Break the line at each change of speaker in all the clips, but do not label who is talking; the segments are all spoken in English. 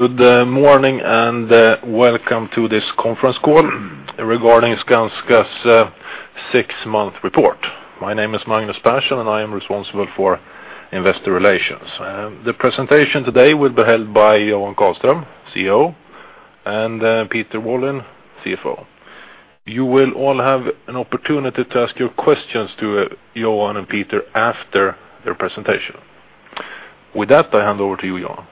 Good morning, and welcome to this conference call regarding Skanska's six-month report. My name is Magnus Persson, and I am responsible for investor relations. The presentation today will be held by Johan Karlström, CEO, and Peter Wallin, CFO. You will all have an opportunity to ask your questions to Johan and Peter after their presentation. With that, I hand over to you, Johan.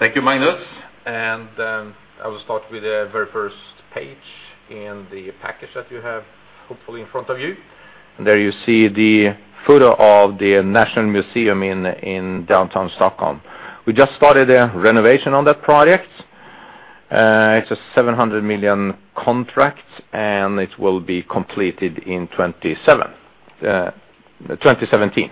Thank you, Magnus, and I will start with the very first page in the package that you have, hopefully in front of you. There you see the photo of the National Museum in downtown Stockholm. We just started a renovation on that project. It's a 700 million contract, and it will be completed in 2017.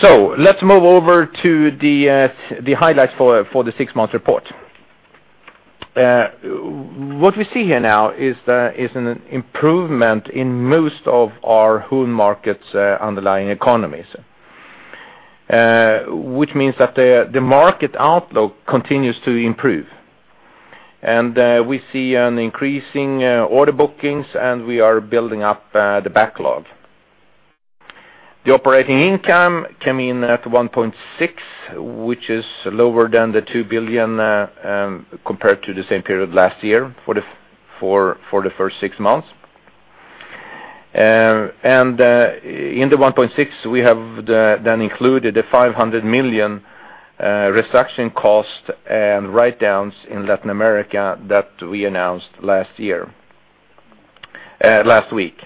So let's move over to the highlights for the six-month report. What we see here now is an improvement in most of our home markets' underlying economies, which means that the market outlook continues to improve. And we see an increasing order bookings, and we are building up the backlog. The operating income came in at 1.6 billion, which is lower than the 2 billion compared to the same period last year for the first six months. In the 1.6 billion, we have then included the 500 million restructuring cost and write-downs in Latin America that we announced last year, last week.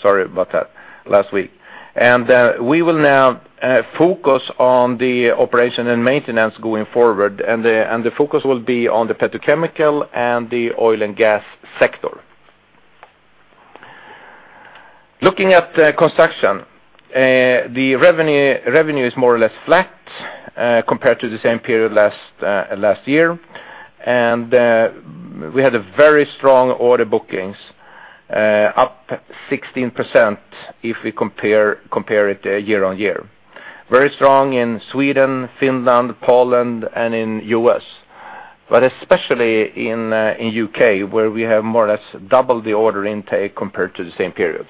Sorry about that, last week. We will now focus on the operation and maintenance going forward, and the focus will be on the petrochemical and the oil and gas sector. Looking at construction, the revenue is more or less flat compared to the same period last year. We had a very strong order bookings up 16% if we compare it year-on-year. Very strong in Sweden, Finland, Poland, and in the U.S., but especially in the UK, where we have more or less doubled the order intake compared to the same period,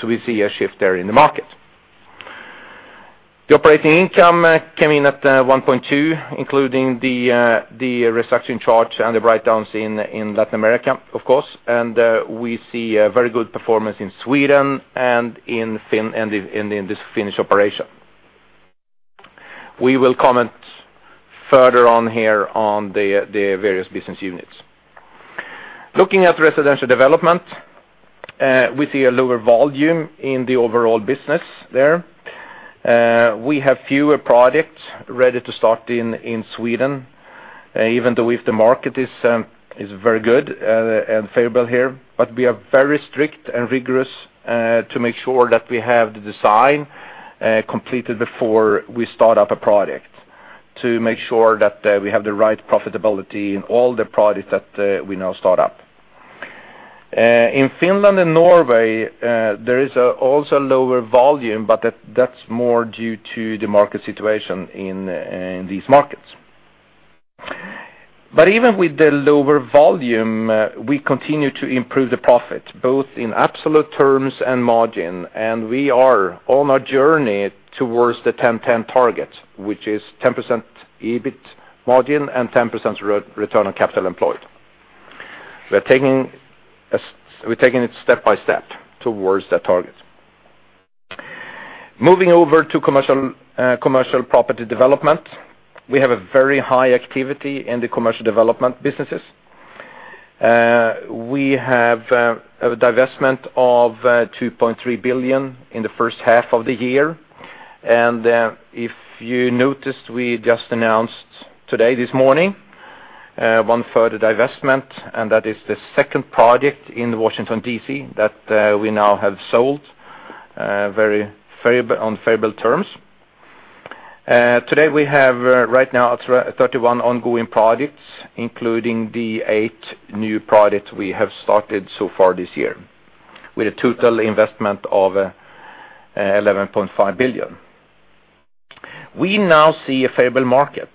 so we see a shift there in the market. The operating income came in at 1.2, including the reduction charge and the write-downs in Latin America, of course, and we see a very good performance in Sweden and in Finland and in the Finnish operation. We will comment further on the various business units. Looking at residential development, we see a lower volume in the overall business there. We have fewer projects ready to start in Sweden, even though the market is very good and favorable here, but we are very strict and rigorous to make sure that we have the design completed before we start up a project, to make sure that we have the right profitability in all the projects that we now start up. In Finland and Norway, there is also lower volume, but that's more due to the market situation in these markets. But even with the lower volume, we continue to improve the profit, both in absolute terms and margin, and we are on a journey towards the 10-10 target, which is 10% EBIT margin and 10% return on capital employed. We're taking it step by step towards that target. Moving over to commercial, commercial property development, we have a very high activity in the commercial development businesses. We have a divestment of 2.3 billion in the first half of the year, and if you noticed, we just announced today, this morning, one further divestment, and that is the second project in Washington, D.C., that we now have sold very favorable, on favorable terms. Today we have, right now, 31 ongoing projects, including the eight new projects we have started so far this year, with a total investment of 11.5 billion. We now see a favorable market,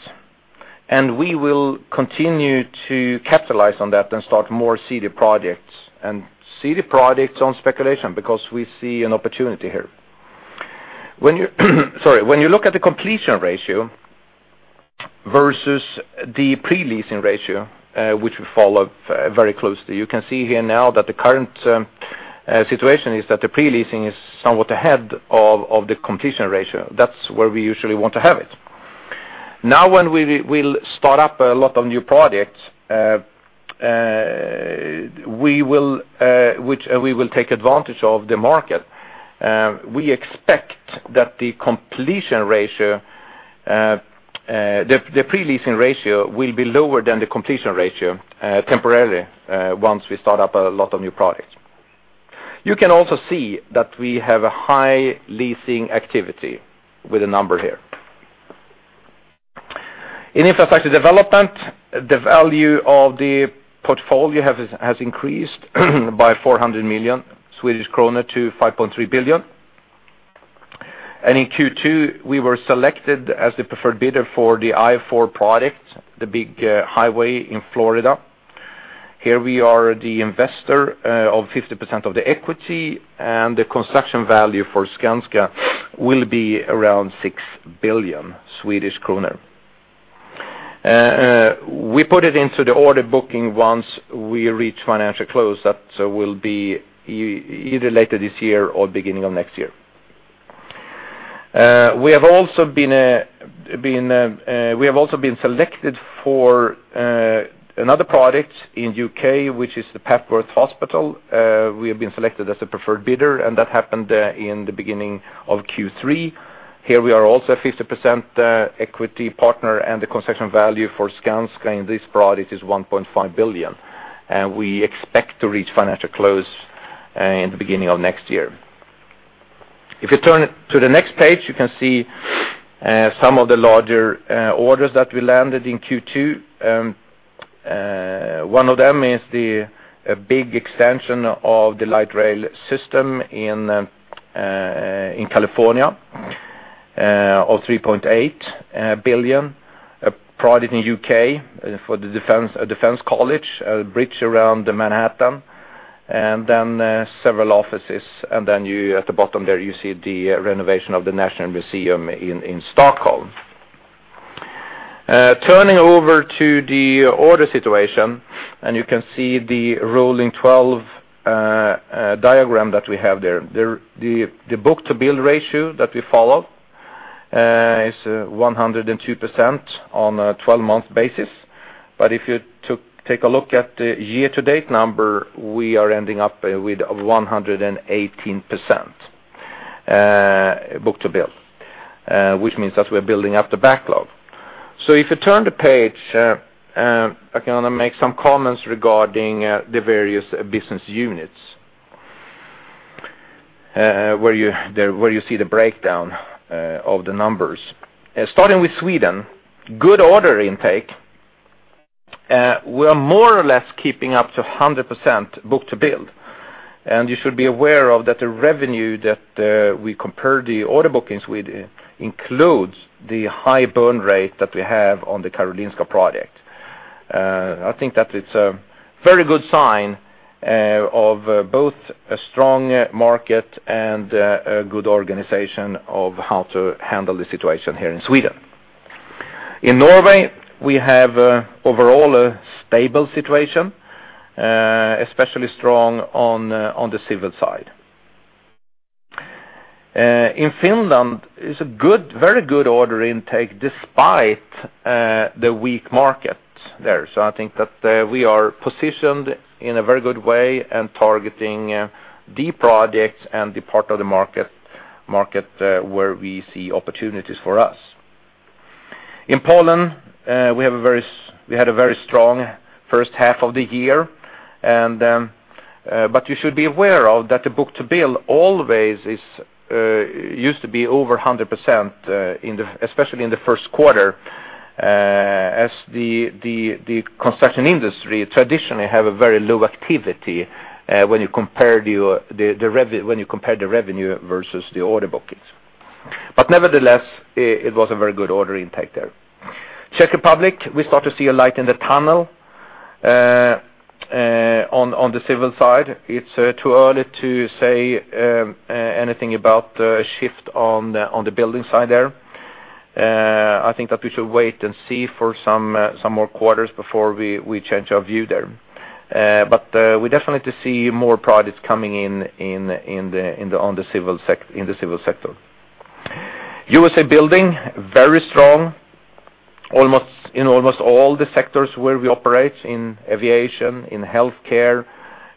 and we will continue to capitalize on that and start more CD projects, and CD projects on speculation because we see an opportunity here. When you look at the completion ratio versus the pre-leasing ratio, which we follow very closely, you can see here now that the current situation is that the pre-leasing is somewhat ahead of the completion ratio. That's where we usually want to have it. Now, when we will start up a lot of new projects, which we will take advantage of the market, we expect that the completion ratio, the pre-leasing ratio will be lower than the completion ratio, temporarily, once we start up a lot of new projects. You can also see that we have a high leasing activity with a number here.... In infrastructure development, the value of the portfolio has increased by 400 million Swedish krona to 5.3 billion. In Q2, we were selected as the preferred bidder for the I-4 Ultimate project, the big highway in Florida. Here we are the investor of 50% of the equity, and the construction value for Skanska will be around SEK 6 billion. We put it into the order booking once we reach financial close, that will be either later this year or beginning of next year. We have also been selected for another project in the UK, which is the Papworth Hospital. We have been selected as the preferred bidder, and that happened in the beginning of Q3. Here we are also a 50% equity partner, and the construction value for Skanska in this project is 1.5 billion, and we expect to reach financial close in the beginning of next year. If you turn to the next page, you can see some of the larger orders that we landed in Q2. One of them is a big extension of the light rail system in California of 3.8 billion. A project in UK for the Defence College, a bridge around Manhattan, and then several offices, and then you at the bottom there, you see the renovation of the National Museum in Stockholm. Turning over to the order situation, and you can see the rolling twelve diagram that we have there. The book-to-bill ratio that we follow is 102% on a 12-month basis. But if you take a look at the year-to-date number, we are ending up with 118% book-to-bill, which means that we're building up the backlog. So if you turn the page, I'm gonna make some comments regarding the various business units, where you see the breakdown of the numbers. Starting with Sweden, good order intake. We are more or less keeping up to 100% book-to-bill, and you should be aware of that the revenue that we compare the order bookings with includes the high burn rate that we have on the Karolinska project. I think that it's a very good sign of both a strong market and a good organization of how to handle the situation here in Sweden. In Norway, we have overall a stable situation, especially strong on the civil side. In Finland, it's a good, very good order intake, despite the weak market there. So I think that we are positioned in a very good way and targeting the projects and the part of the market where we see opportunities for us. In Poland, we had a very strong first half of the year, and, but you should be aware that the book-to-bill always is used to be over 100%, especially in the Q1, as the construction industry traditionally have a very low activity when you compare the revenue versus the order bookings. But nevertheless, it was a very good order intake there. Czech Republic, we start to see a light in the tunnel on the civil side. It's too early to say anything about the shift on the building side there. I think that we should wait and see for some more quarters before we change our view there. But we definitely see more projects coming in the civil sector. USA Building, very strong in almost all the sectors where we operate, in aviation, in healthcare,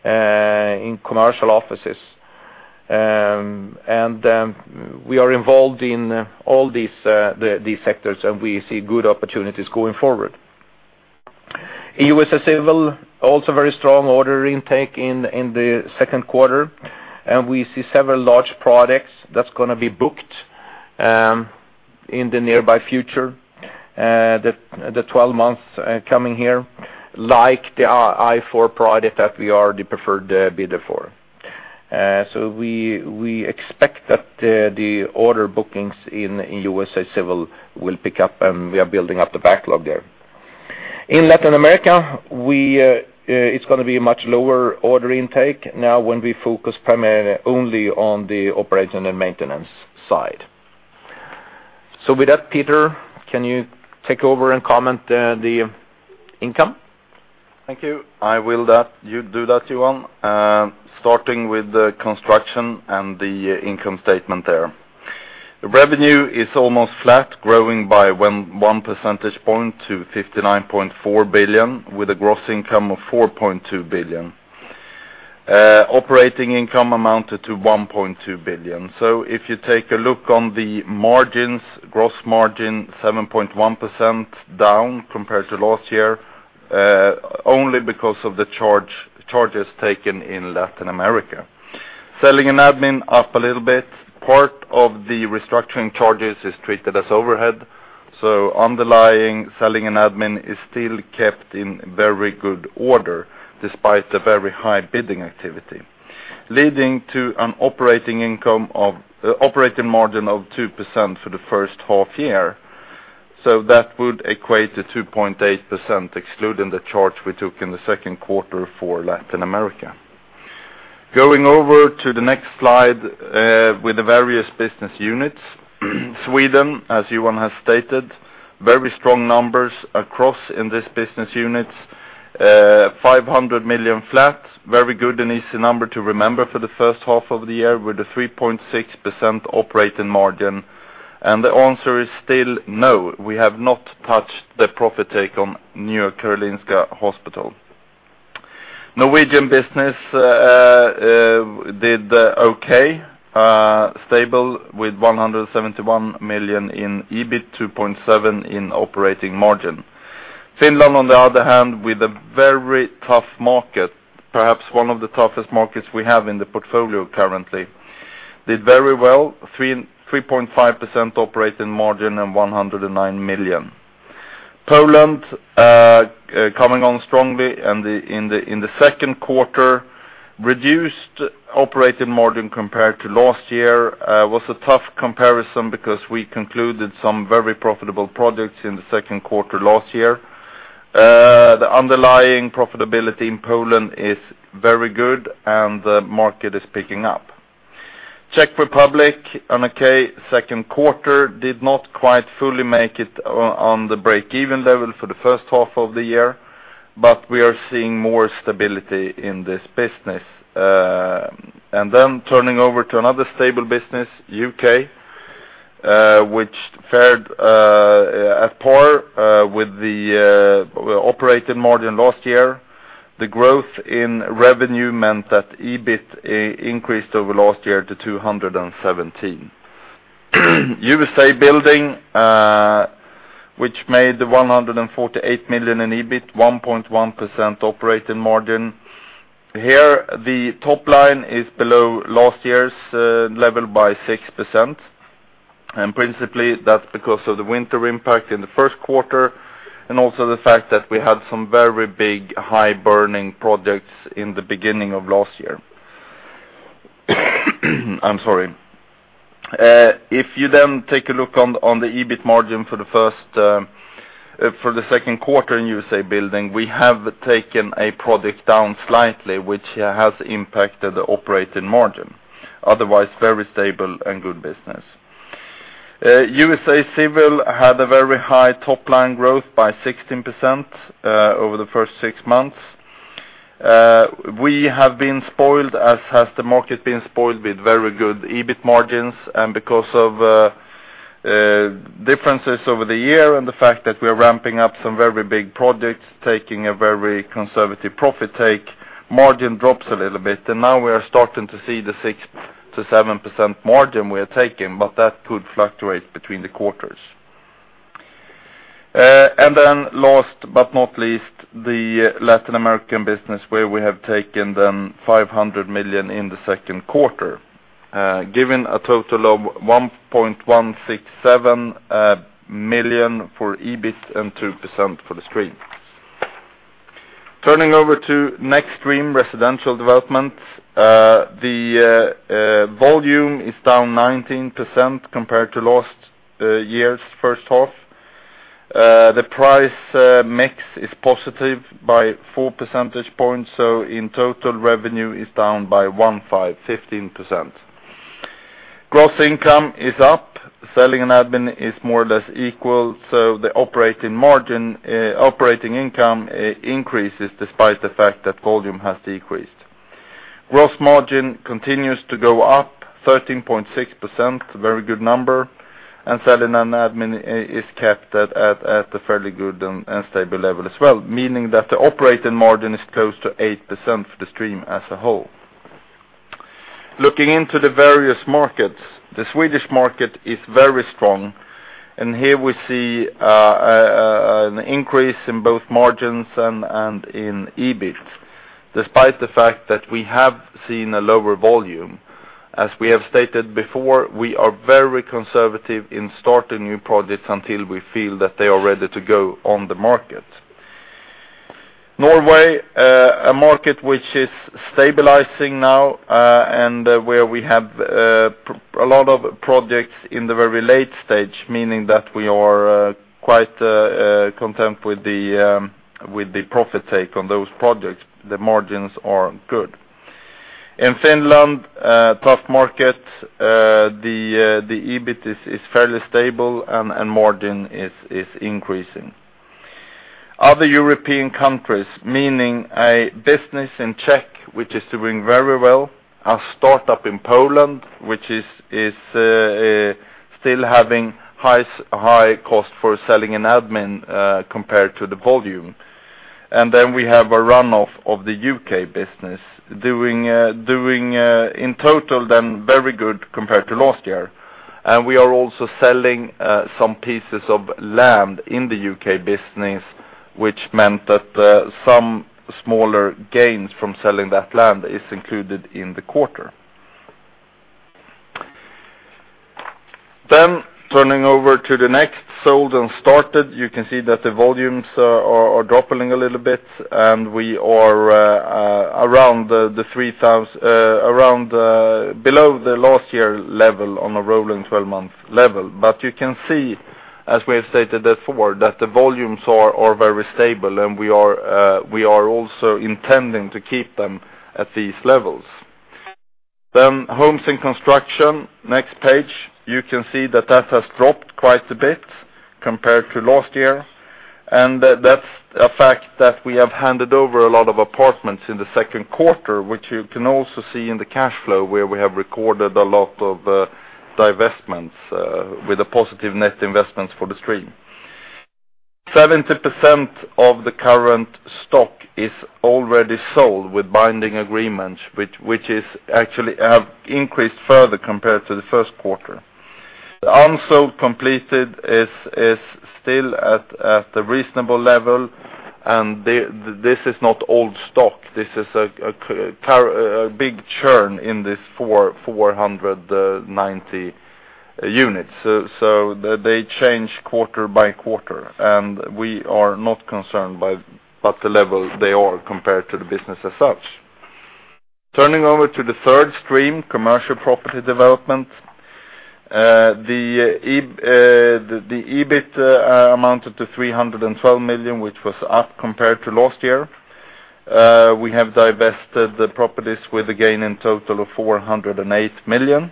in commercial offices. And we are involved in all these sectors, and we see good opportunities going forward. USA Civil, also very strong order intake in the Q2, and we see several large projects that's gonna be booked in the nearby future, the 12 months coming here, like the I-4 project that we are the preferred bidder for. So we expect that the order bookings in USA Civil will pick up, and we are building up the backlog there. In Latin America, we, it's gonna be a much lower order intake now when we focus primarily only on the operation and maintenance side. So with that, Peter, can you take over and comment, the income?
Thank you. I will that, you do that, Johan. Starting with the construction and the income statement there. The revenue is almost flat, growing by 1 percentage point to 59.4 billion, with a gross income of 4.2 billion. Operating income amounted to 1.2 billion. So if you take a look on the margins, gross margin 7.1% down compared to last year, only because of the charges taken in Latin America. Selling and admin up a little bit. Part of the restructuring charges is treated as overhead, so underlying selling and admin is still kept in very good order, despite the very high bidding activity, leading to an operating income of, operating margin of 2% for the first half year. So that would equate to 2.8%, excluding the charge we took in the Q2 for Latin America. Going over to the next slide, with the various business units. Sweden, as Johan has stated, very strong numbers across in this business units, 500 million flat, very good and easy number to remember for the first half of the year, with a 3.6% operating margin. And the answer is still no, we have not touched the profit take on New Karolinska Hospital. Norwegian business, did okay, stable with 171 million in EBIT, 2.7% operating margin. Finland, on the other hand, with a very tough market, perhaps one of the toughest markets we have in the portfolio currently, did very well, 3.5% operating margin and 109 million. Poland, coming on strongly in the Q2, reduced operating margin compared to last year, was a tough comparison because we concluded some very profitable projects in the Q2 last year. The underlying profitability in Poland is very good, and the market is picking up. Czech Republic in the Q2 did not quite fully make it on the break-even level for the first half of the year, but we are seeing more stability in this business. And then turning to another stable business, UK, which fared at par with the operating margin last year. The growth in revenue meant that EBIT increased over last year to 217 million. USA Building, which made 148 million in EBIT, 1.1% operating margin. Here, the top line is below last year's level by 6%, and principally, that's because of the winter impact in the Q1, and also the fact that we had some very big, high-burning projects in the beginning of last year. I'm sorry. If you then take a look on the EBIT margin for the first, for the Q2 in USA Building, we have taken a project down slightly, which has impacted the operating margin. Otherwise, very stable and good business. USA Civil had a very high top-line growth by 16%, over the first six months. We have been spoiled, as has the market been spoiled, with very good EBIT margins, and because of differences over the year and the fact that we are ramping up some very big projects, taking a very conservative profit take, margin drops a little bit, and now we are starting to see the 6%-7% margin we are taking, but that could fluctuate between the quarters. And then last but not least, the Latin American business, where we have taken then 500 million in the Q2, giving a total of 1.167 million for EBIT and 2% for the stream. Turning over to next stream, residential development, the volume is down 19% compared to last year's first half. The price mix is positive by 4 percentage points, so in total, revenue is down by 15%. Gross income is up, selling and admin is more or less equal, so the operating margin, operating income increases despite the fact that volume has decreased. Gross margin continues to go up, 13.6%, very good number, and selling and admin is kept at a fairly good and stable level as well, meaning that the operating margin is close to 8% for the stream as a whole. Looking into the various markets, the Swedish market is very strong, and here we see an increase in both margins and in EBIT, despite the fact that we have seen a lower volume. As we have stated before, we are very conservative in starting new projects until we feel that they are ready to go on the market. Norway, a market which is stabilizing now, and where we have a lot of projects in the very late stage, meaning that we are quite content with the profit take on those projects. The margins are good. In Finland, tough market, the EBIT is fairly stable and margin is increasing. Other European countries, meaning a business in Czech, which is doing very well, a start-up in Poland, which is still having high cost for selling and admin, compared to the volume. And then we have a run-off of the UK business, doing in total then, very good compared to last year. And we are also selling some pieces of land in the UK business, which meant that some smaller gains from selling that land is included in the quarter. Then turning over to the next, sold and started, you can see that the volumes are dropping a little bit, and we are around 3,000, below the last year level on a rolling twelve-month level. But you can see, as we have stated before, that the volumes are very stable, and we are also intending to keep them at these levels. Then homes in construction, next page, you can see that that has dropped quite a bit compared to last year. That's a fact that we have handed over a lot of apartments in the Q2, which you can also see in the cash flow, where we have recorded a lot of divestments with a positive net investments for the stream. 70% of the current stock is already sold with binding agreements, which is actually have increased further compared to the Q1. The unsold completed is still at a reasonable level, and this is not old stock. This is a big churn in this 490 units. So they change quarter by quarter, and we are not concerned by at the level they are compared to the business as such. Turning over to the third stream, commercial property development, the EBIT amounted to 312 million, which was up compared to last year. We have divested the properties with a gain in total of 408 million.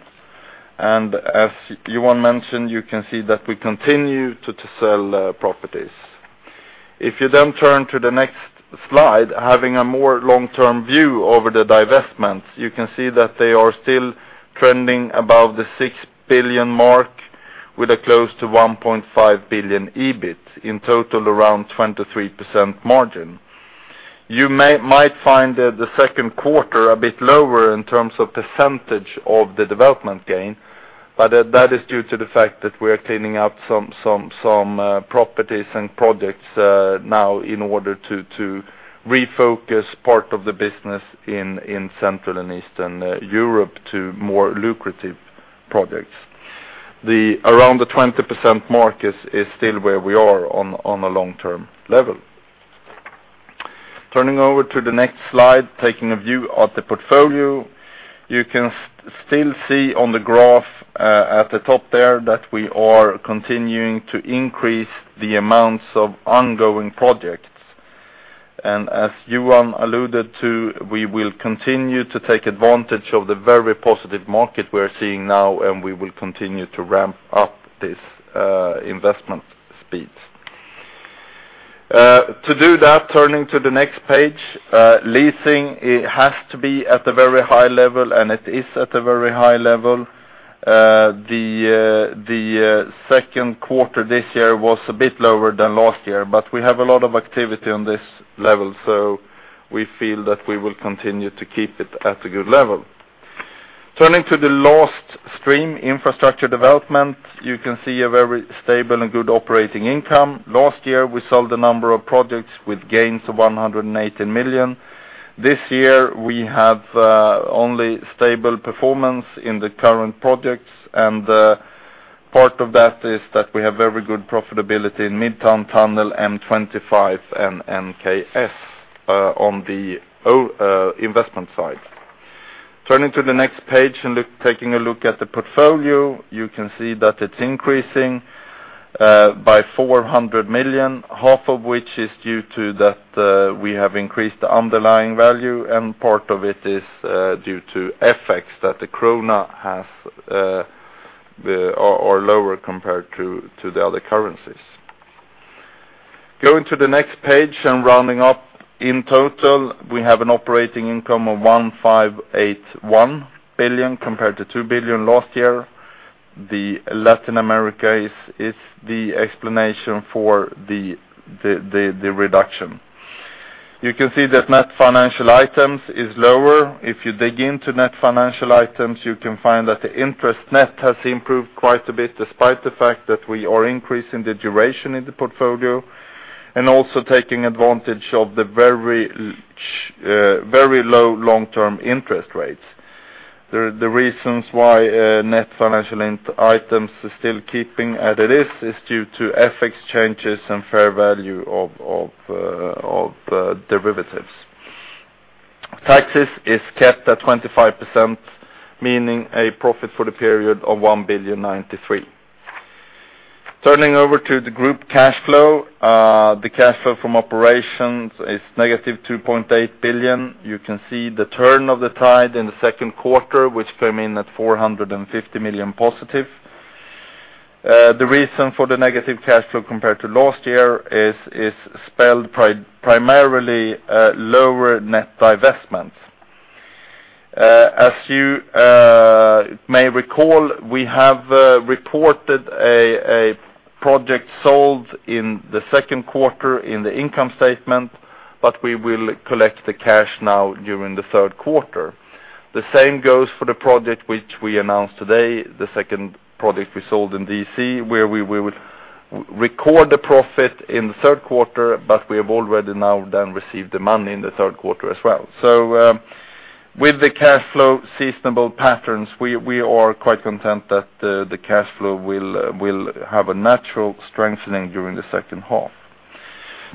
And as Johan mentioned, you can see that we continue to sell properties. If you then turn to the next slide, having a more long-term view over the divestments, you can see that they are still trending above the 6 billion mark, with a close to 1.5 billion EBIT, in total, around 23% margin. You might find the Q2 a bit lower in terms of percentage of the development gain, but that is due to the fact that we are cleaning up some properties and projects now in order to refocus part of the business in Central and Eastern Europe to more lucrative projects. Around the 20% mark is still where we are on a long-term level. Turning over to the next slide, taking a view of the portfolio, you can still see on the graph at the top there that we are continuing to increase the amounts of ongoing projects. And as Johan alluded to, we will continue to take advantage of the very positive market we are seeing now, and we will continue to ramp up this investment speed. To do that, turning to the next page, leasing, it has to be at a very high level, and it is at a very high level. Second quarter this year was a bit lower than last year, but we have a lot of activity on this level, so we feel that we will continue to keep it at a good level. Turning to the last stream, Infrastructure Development, you can see a very stable and good operating income. Last year, we sold a number of projects with gains of 118 million. This year, we have only stable performance in the current projects, and part of that is that we have very good profitability in Midtown Tunnel, M25, and NKS on the investment side. Turning to the next page and taking a look at the portfolio, you can see that it's increasing by 400 million, half of which is due to that we have increased the underlying value, and part of it is due to effects that the krona has, the are lower compared to the other currencies. Going to the next page and rounding up, in total, we have an operating income of 1.581 billion, compared to 2 billion last year. The Latin America is the explanation for the reduction. You can see that net financial items is lower. If you dig into net financial items, you can find that the interest net has improved quite a bit, despite the fact that we are increasing the duration in the portfolio, and also taking advantage of the very low long-term interest rates. The reasons why net financial items are still keeping as it is, is due to FX changes and fair value of derivatives. Taxes is kept at 25%, meaning a profit for the period of 1.093 billion. Turning over to the group cash flow, the cash flow from operations is negative 2.8 billion. You can see the turn of the tide in the Q2, which came in at 450 million positive. The reason for the negative cash flow compared to last year is primarily lower net divestments. As you may recall, we have reported a project sold in the Q2 in the income statement, but we will collect the cash now during Q3. The same goes for the project which we announced today, the second project we sold in D.C., where we will record the profit in the Q3, but we have already now then received the money in the Q3 as well. So, with the cash flow seasonal patterns, we are quite content that the cash flow will have a natural strengthening during the second half.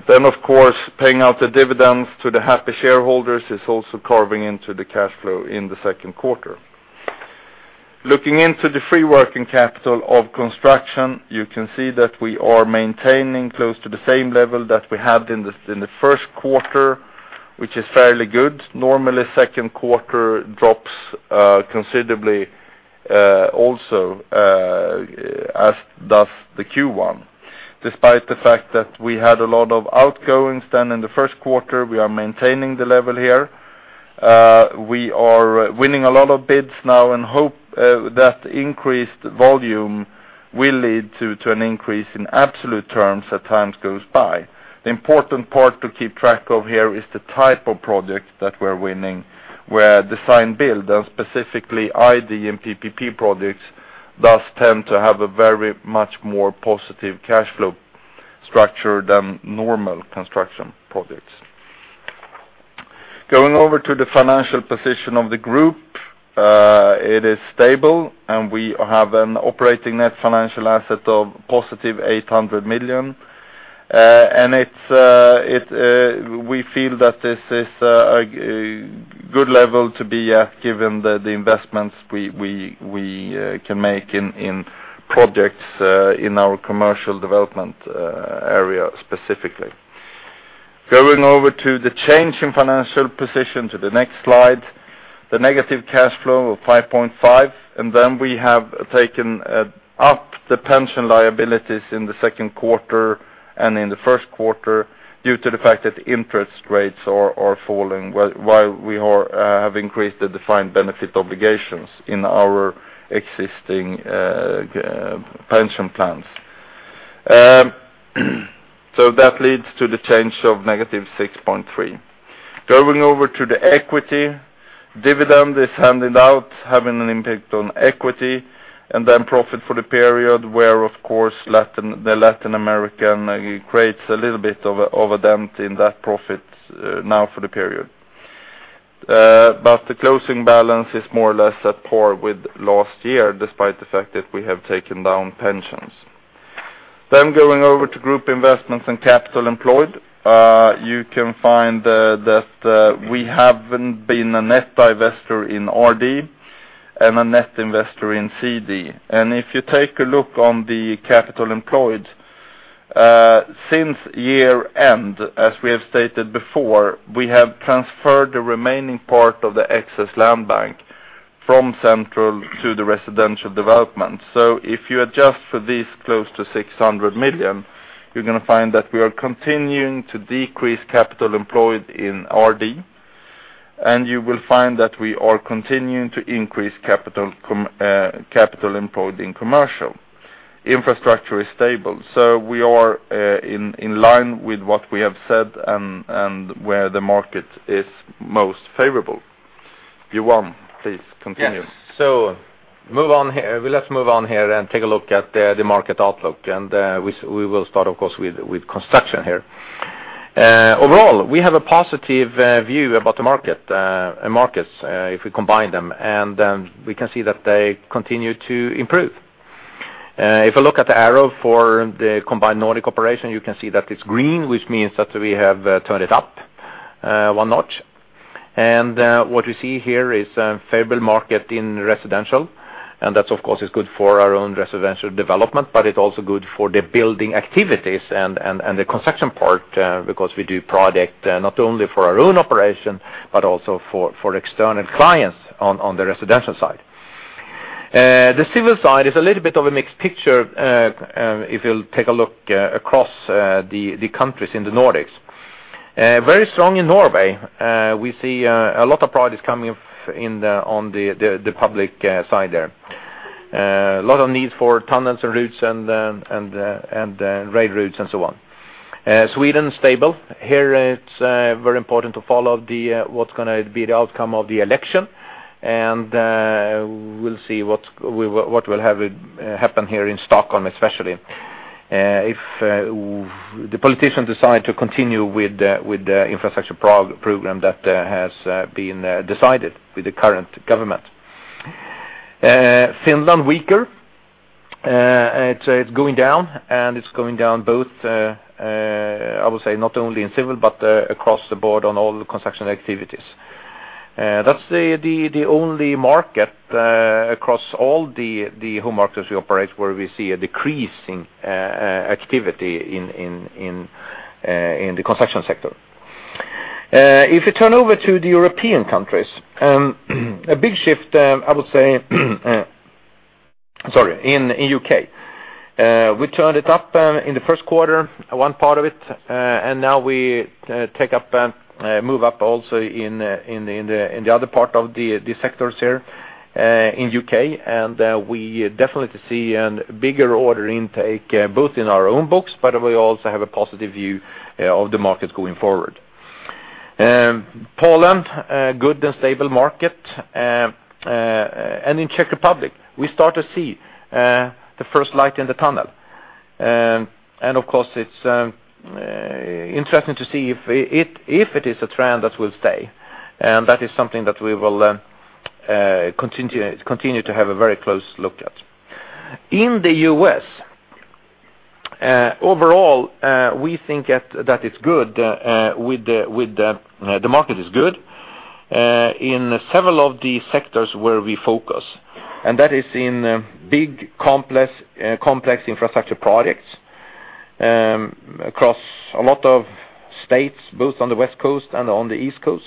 Then of course, paying out the dividends to the happy shareholders is also carving into the cash flow in the Q2. Looking into the free working capital of construction, you can see that we are maintaining close to the same level that we had in the Q1, which is fairly good. Normally, Q2 drops considerably, also, as does the Q1. Despite the fact that we had a lot of outgoings then in the Q1, we are maintaining the level here. We are winning a lot of bids now and hope that increased volume will lead to an increase in absolute terms as time goes by. The important part to keep track of here is the type of projects that we're winning, where design build, and specifically ID and PPP projects, does tend to have a very much more positive cash flow structure than normal construction projects. Going over to the financial position of the group, it is stable, and we have an operating net financial asset of positive 800 million. And it's, we feel that this is a good level to be at, given the investments we can make in projects in our commercial development area, specifically. Going over to the change in financial position to the next slide, the negative cash flow of 5.5, and then we have taken up the pension liabilities in the Q2 and in the Q1 due to the fact that interest rates are falling, while we have increased the defined benefit obligations in our existing pension plans. So that leads to the change of negative 6.3. Going over to the equity, dividend is handed out, having an impact on equity, and then profit for the period, where, of course, the Latin American creates a little bit of a dent in that profit for the period. But the closing balance is more or less at par with last year, despite the fact that we have taken down pensions. Then going over to group investments and capital employed, you can find that we haven't been a net investor in RD and a net investor in CD. And if you take a look on the capital employed since year-end, as we have stated before, we have transferred the remaining part of the excess land bank from central to the residential development. So if you adjust for this close to 600 million, you're going to find that we are continuing to decrease capital employed in RD, and you will find that we are continuing to increase capital com, capital employed in commercial. Infrastructure is stable, so we are in line with what we have said and where the market is most favorable. Johan, please continue.
Yes. So move on here. Let's move on here and take a look at the market outlook, and we will start, of course, with construction here. Overall, we have a positive view about the market and markets if we combine them, and we can see that they continue to improve. If you look at the arrow for the combined Nordic operation, you can see that it's green, which means that we have turned it up one notch. And what you see here is a favorable market in residential, and that, of course, is good for our own residential development, but it's also good for the building activities and the construction part because we do project not only for our own operation, but also for external clients on the residential side. The civil side is a little bit of a mixed picture, if you'll take a look across the countries in the Nordics. Very strong in Norway. We see a lot of projects coming up in the public side there. A lot of need for tunnels and routes and rail routes and so on. Sweden, stable. Here, it's very important to follow what's going to be the outcome of the election, and we'll see what will happen here in Stockholm, especially, if the politicians decide to continue with the infrastructure program that has been decided with the current government. Finland, weaker. It's going down, and it's going down both, I would say, not only in civil, but across the board on all the construction activities. That's the only market across all the home markets we operate, where we see a decrease in activity in the construction sector. If you turn over to the European countries, a big shift, I would say, sorry, in UK. We turned it up in the Q1, one part of it, and now we take up move up also in the other part of the sectors here.... In UK, and we definitely see an bigger order intake, both in our own books, but we also have a positive view of the markets going forward. Poland, a good and stable market, and in Czech Republic, we start to see the first light in the tunnel. And, of course, it's interesting to see if it is a trend that will stay, and that is something that we will continue to have a very close look at. In the U.S., overall, we think that it's good, with the market is good in several of the sectors where we focus, and that is in big, complex infrastructure projects, across a lot of states, both on the West Coast and on the East Coast.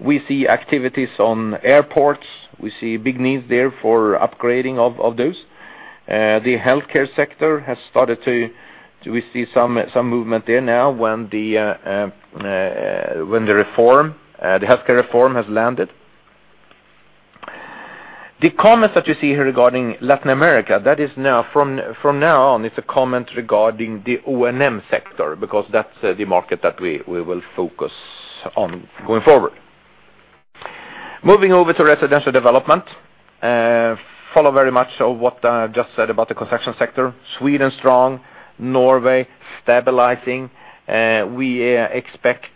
We see activities on airports, we see big needs there for upgrading of those. The healthcare sector has started to, we see some movement there now when the reform, the healthcare reform has landed. The comments that you see here regarding Latin America, that is now, from now on, it's a comment regarding the O&M sector, because that's the market that we will focus on going forward. Moving over to residential development, follow very much of what I've just said about the construction sector. Sweden, strong, Norway, stabilizing, we expect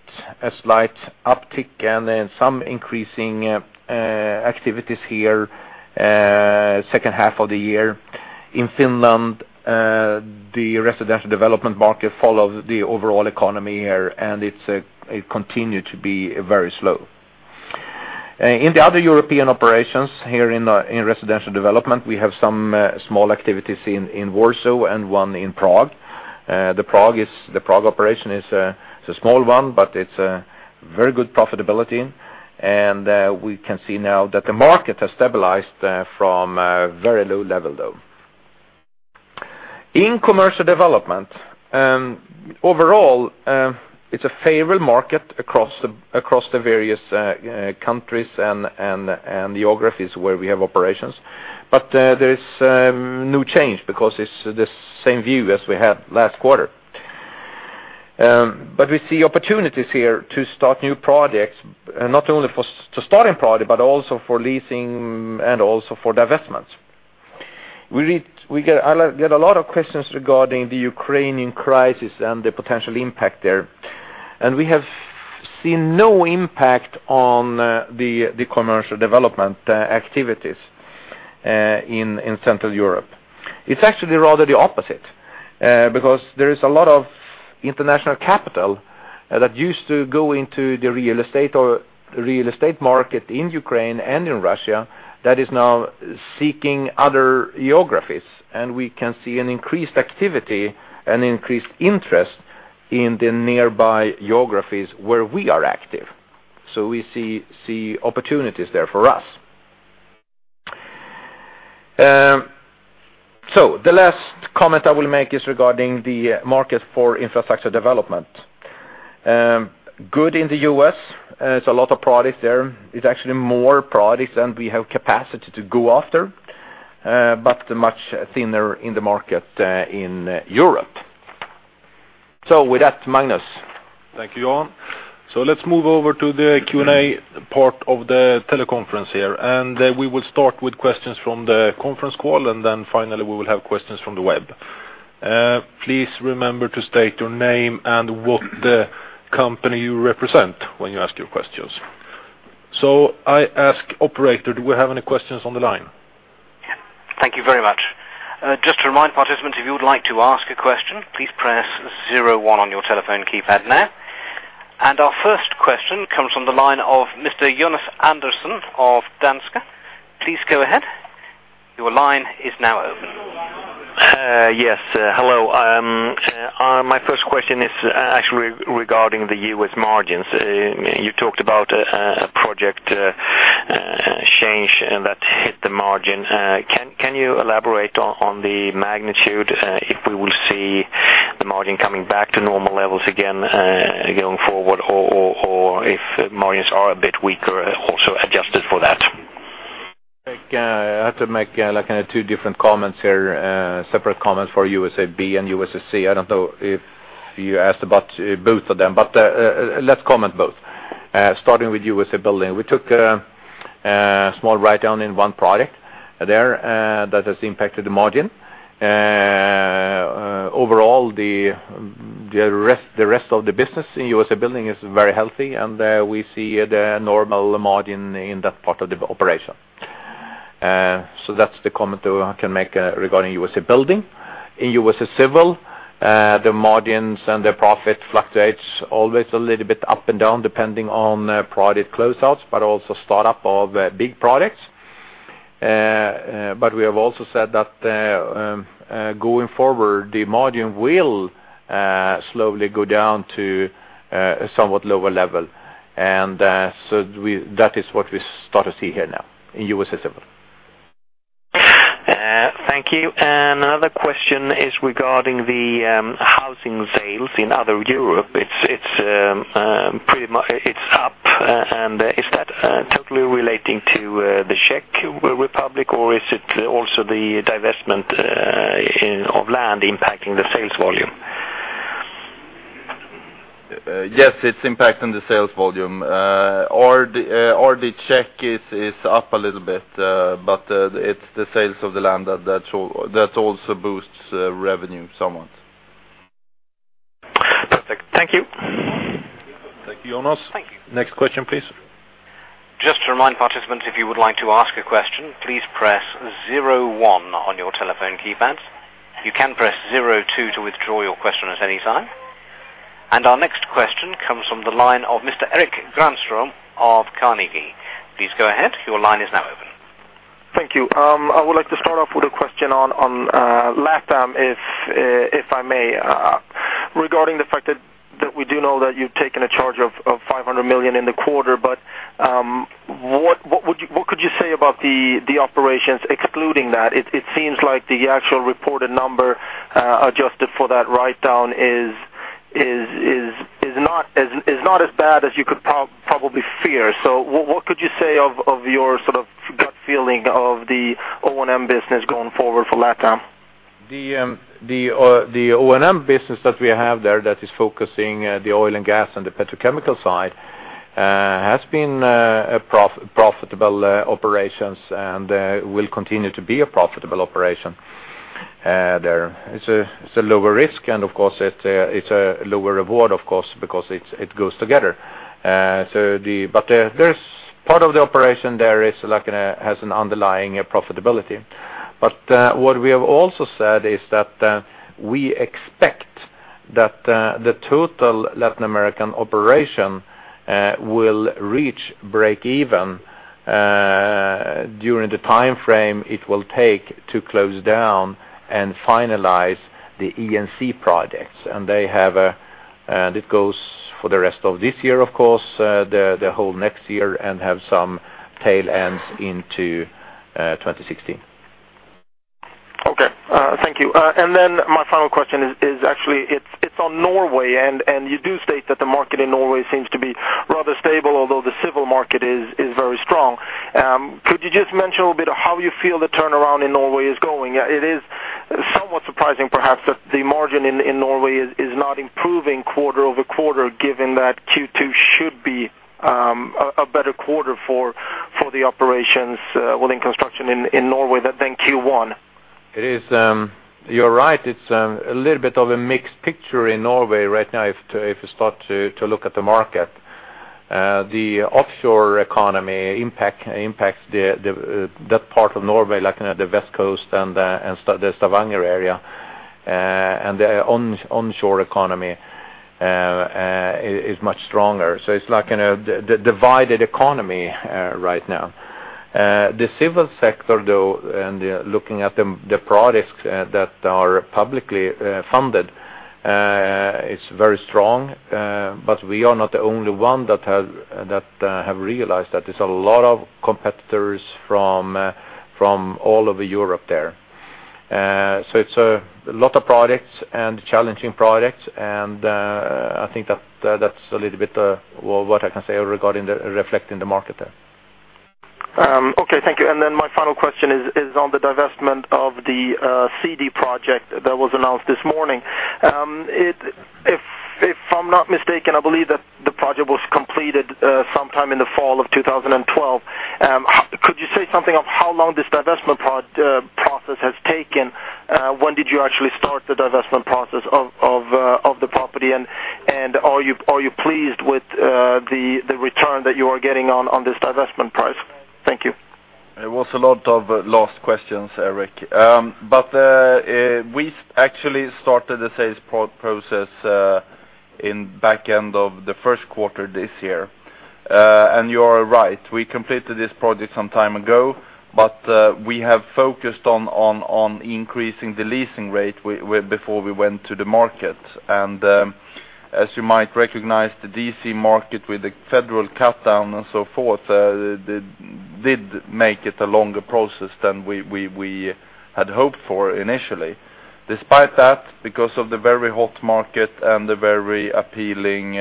a slight uptick and then some increasing activities here, second half of the year. In Finland, the residential development market follows the overall economy here, and it's, it continue to be very slow. In the other European operations here in residential development, we have some small activities in Warsaw and one in Prague. The Prague operation is a small one, but it's a very good profitability, and we can see now that the market has stabilized from a very low level, though. In commercial development, overall, it's a favored market across the various countries and geographies where we have operations. But there is no change because it's the same view as we had last quarter. But we see opportunities here to start new projects, not only for to starting project, but also for leasing and also for divestments. We get a lot of questions regarding the Ukrainian crisis and the potential impact there. We have seen no impact on the commercial development activities in Central Europe. It's actually rather the opposite, because there is a lot of international capital that used to go into the real estate or real estate market in Ukraine and in Russia, that is now seeking other geographies, and we can see an increased activity and increased interest in the nearby geographies where we are active. So we see opportunities there for us. So the last comment I will make is regarding the market for infrastructure development. Good in the U.S., there's a lot of projects there. It's actually more projects than we have capacity to go after, but much thinner in the market in Europe. So with that, Magnus.
Thank you, Johan. So let's move over to the Q&A part of the teleconference here, and, we will start with questions from the conference call, and then finally, we will have questions from the web. Please remember to state your name and what the company you represent when you ask your questions. So I ask, operator, do we have any questions on the line?
Thank you very much. Just to remind participants, if you would like to ask a question, please press zero one on your telephone keypad now. Our first question comes from the line of Mr. Jonas Andersson of Danske. Please go ahead. Your line is now open.
Yes, hello. My first question is actually regarding the U.S. margins. You talked about a project change that hit the margin. Can you elaborate on the magnitude if we will see the margin coming back to normal levels again going forward, or if margins are a bit weaker, also adjusted for that?
I have to make, like, 2 different comments here, separate comments for USAB and USAC. I don't know if you asked about both of them, but let's comment both. Starting with USA Building. We took a small write-down in 1 project there that has impacted the margin. Overall, the rest of the business in USA Building is very healthy, and we see the normal margin in that part of the operation. So that's the comment I can make regarding USA Building. In USA Civil, the margins and the profit fluctuates always a little bit up and down, depending on project closeouts, but also start up of big projects. But we have also said that, going forward, the margin will slowly go down to a somewhat lower level. And so we—that is what we start to see here now in USA Civil.
Thank you. And another question is regarding the housing sales in other Europe. It's pretty much up, and is that totally relating to the Czech Republic, or is it also the divestment of land impacting the sales volume?
Yes, it's impacting the sales volume. Or the Czech is up a little bit, but it's the sales of the land that's all that also boosts revenue somewhat.
Perfect. Thank you.
Thank you, Jonas.
Thank you.
Next question, please.
Just to remind participants, if you would like to ask a question, please press zero one on your telephone keypads. You can press zero two to withdraw your question at any time. And our next question comes from the line of Mr. Erik Granström of Carnegie. Please go ahead. Your line is now open.
Thank you. I would like to start off with a question on Latam, if I may, regarding the fact that we do know that you've taken a charge of 500 million in the quarter, but what would you—what could you say about the operations excluding that? It seems like the actual reported number, adjusted for that write-down, is not as bad as you could probably fear. So what could you say of your sort of gut feeling of the O&M business going forward for Latam?
The O&M business that we have there that is focusing the oil and gas and the petrochemical side has been a profitable operations, and will continue to be a profitable operation there. It's a lower risk, and of course, it's a lower reward, of course, because it goes together. But there's part of the operation there is like has an underlying profitability. But what we have also said is that we expect that the total Latin American operation will reach break even during the time frame it will take to close down and finalize the E&C projects. They have it goes for the rest of this year, of course, the whole next year, and have some tail ends into 2016.
Okay, thank you. And then my final question is actually, it's on Norway, and you do state that the market in Norway seems to be rather stable, although the civil market is very strong. Could you just mention a little bit of how you feel the turnaround in Norway is going? It is somewhat surprising, perhaps, that the margin in Norway is not improving quarter-over-quarter, given that Q2 should be a better quarter for the operations within construction in Norway than Q1.
It is, you're right. It's a little bit of a mixed picture in Norway right now, if you start to look at the market. The offshore economy impact impacts the that part of Norway, like in the West Coast and the Stavanger area, and the onshore economy is much stronger. So it's like in a divided economy right now. The civil sector, though, and yeah, looking at the projects that are publicly funded is very strong, but we are not the only one that has have realized that. There's a lot of competitors from all over Europe there. So it's a lot of projects and challenging projects, and I think that that's a little bit, well, what I can say regarding reflecting the market there.
Okay, thank you. And then my final question is, is on the divestment of the, CD project that was announced this morning. It... If, if I'm not mistaken, I believe that the project was completed, sometime in the fall of 2012. Could you say something of how long this divestment pro, process has taken? When did you actually start the divestment process of, of, of the property, and, and are you, are you pleased with, the, the return that you are getting on on this divestment price? Thank you.
It was a lot of last questions, Erik. But we actually started the sales process in back end of the Q1 this year. And you're right, we completed this project some time ago, but we have focused on increasing the leasing rate with before we went to the market. And as you might recognize, the D.C. market with the federal cutdown and so forth did make it a longer process than we had hoped for initially. Despite that, because of the very hot market and the very appealing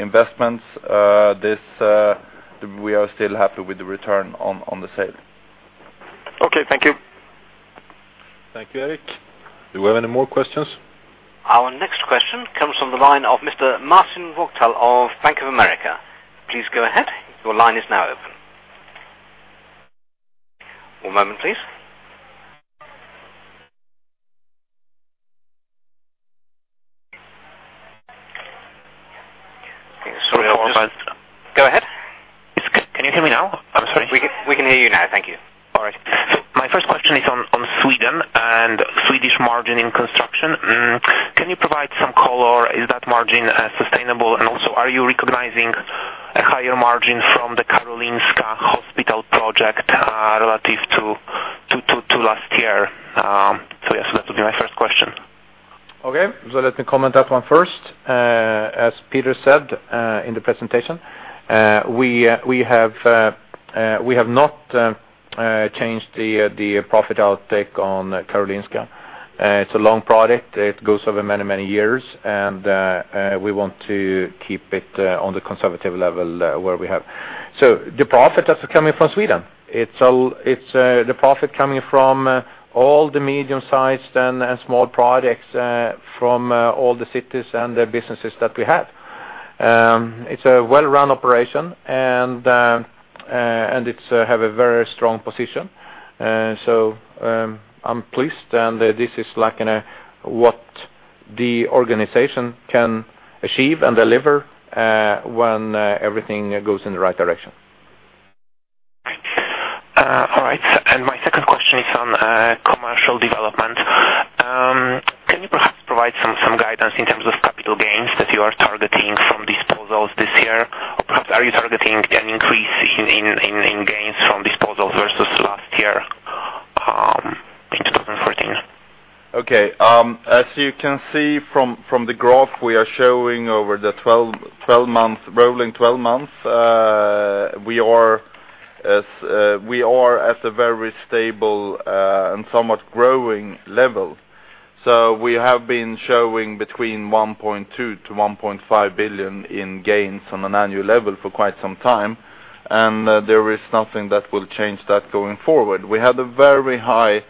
investments, this we are still happy with the return on the sale.
Okay, thank you.
Thank you, Erik. Do you have any more questions?
Our next question comes from the line of Mr. Marcin Wojtal of Bank of America. Please go ahead. Your line is now open. One moment, please.
Sorry about that.
Go ahead.
Can you hear me now? I'm sorry.
We can, we can hear you now. Thank you.
All right. My first question is on Sweden and Swedish margin in construction. Can you provide some color? Is that margin sustainable, and also are you recognizing a higher margin from the Karolinska Hospital project relative to last year? Yes, that would be my first question.
Okay, so let me comment that one first. As Peter said, in the presentation, we have not changed the profit outtake on Karolinska. It's a long project. It goes over many, many years, and we want to keep it on the conservative level where we have. So the profit that's coming from Sweden, it's the profit coming from all the medium-sized and small projects from all the cities and the businesses that we have. It's a well-run operation, and it has a very strong position. So, I'm pleased, and this is like in a what the organization can achieve and deliver, when everything goes in the right direction.
All right. My second question is on Commercial Development. Can you perhaps provide some guidance in terms of capital gains that you are targeting from disposals this year? Or perhaps, are you targeting an increase in gains from disposals versus last year, in 2014?
Okay. As you can see from the graph, we are showing over the 12 months, rolling 12 months, we are at a very stable and somewhat growing level. So we have been showing between 1.2 billion-1.5 billion in gains on an annual level for quite some time, and there is nothing that will change that going forward. We had a very high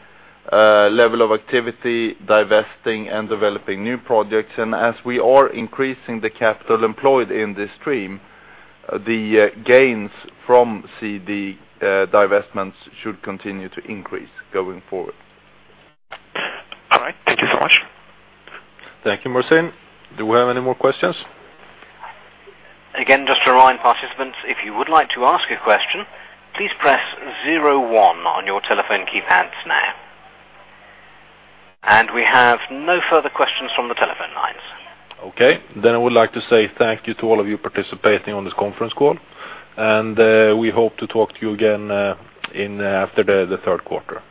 level of activity, divesting and developing new projects, and as we are increasing the capital employed in this stream, the gains from CD divestments should continue to increase going forward.
All right. Thank you so much.
Thank you, Marcin. Do we have any more questions?
Again, just to remind participants, if you would like to ask a question, please press zero one on your telephone keypads now. We have no further questions from the telephone lines.
Okay. Then I would like to say thank you to all of you participating on this conference call, and we hope to talk to you again in after the Q3.